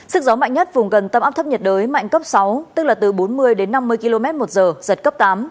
sức gió mạnh nhất vùng gần tâm áp thấp nhiệt đới mạnh cấp sáu tức là từ bốn mươi đến năm mươi km một giờ giật cấp tám